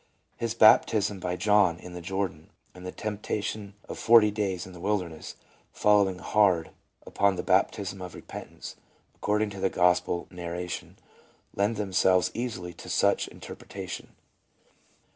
His baptism by John in the Jordan and the temptation of forty days in the wilderness, following hard upon the baptism of repentance, according to the gospel nar ration, lend themselves easily to such an interpretation.